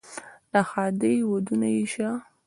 د ښادۍ ودونه یې شه،